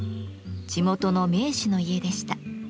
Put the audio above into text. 地元の名士の家でした。